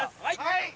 はい！